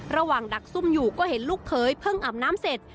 ดักซุ่มอยู่ก็เห็นลูกเคยเพิ่งอาบน้ำเสร็จ